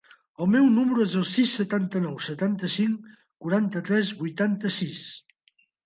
El meu número es el sis, setanta-nou, setanta-cinc, quaranta-tres, vuitanta-sis.